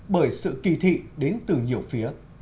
bởi sự kỳ thị đến từ nhiều phía